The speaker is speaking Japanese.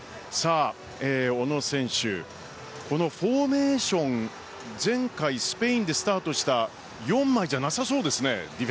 小野選手、このフォーメーション前回、スペインでスタートした４枚じゃなさそうですね。